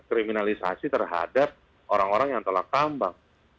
kriminalisasi terhadap orang orang yang tolak tambang